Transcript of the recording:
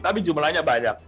tapi jumlahnya banyak